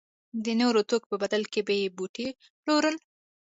د نورو توکو په بدل کې به یې بوټي پلورل.